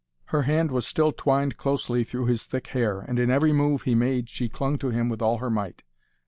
Her hand was still twined closely through his thick hair, and in every move he made she clung to him with all her might.